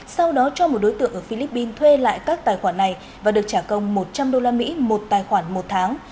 sau đó cho một đối tượng ở philippines thuê lại các tài khoản này và được trả công một trăm linh usd một tài khoản một tháng